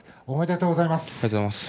おめでとうございます。